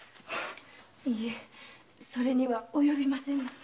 いえそれにはおよびませぬ。